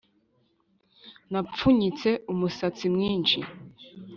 napfunyitse umusatsi mwinshi